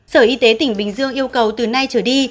sở y tế tp hcm yêu cầu từ nay trở đi